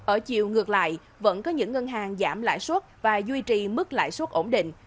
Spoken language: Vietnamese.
ở chiều ngược lại vẫn có những ngân hàng giảm lãi suất và duy trì mức lãi suất ổn định